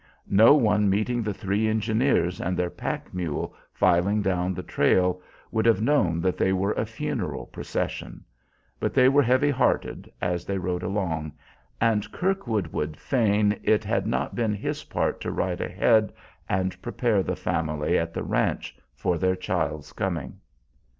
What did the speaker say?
No one meeting the three engineers and their pack mule filing down the trail would have known that they were a funeral procession; but they were heavy hearted as they rode along, and Kirkwood would fain it had not been his part to ride ahead and prepare the family at the ranch for their child's coming.